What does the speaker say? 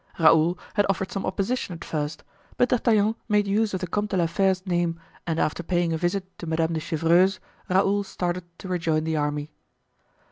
Raoul had offered some opposition at first; but D'Artagnan made use of the Comte de la Fere's name, and after paying a visit to Madame de Chevreuse, Raoul started to rejoin the army.